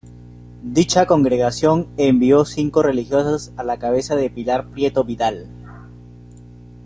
Dicha congregación envió cinco religiosas a la cabeza de Pilar Prieto Vidal.